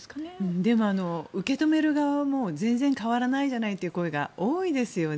でも、受け止める側も全然変わらないじゃないって声が多いですよね。